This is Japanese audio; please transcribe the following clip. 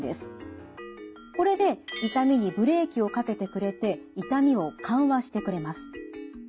これで痛みにブレーキをかけてくれて痛みを緩和してくれます。